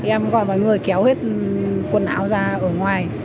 em còn mọi người kéo hết quần áo ra ở ngoài